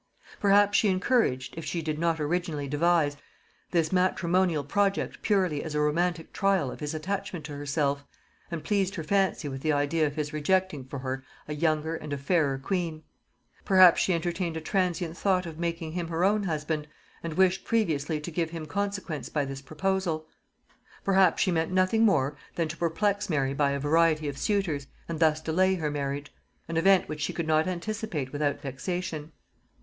Perhaps she encouraged, if she did not originally devise, this matrimonial project purely as a romantic trial of his attachment to herself, and pleased her fancy with the idea of his rejecting for her a younger and a fairer queen; perhaps she entertained a transient thought of making him her own husband, and wished previously to give him consequence by this proposal; perhaps she meant nothing more than to perplex Mary by a variety of suitors, and thus delay her marriage; an event which she could not anticipate without vexation.